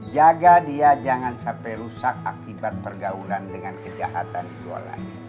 jaga dia jangan sampai rusak akibat pergaulan dengan kejahatan jualannya